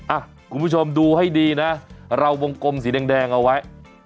คุณผู้ชมดูให้ดีนะเราวงกลมสีแดงเอาไว้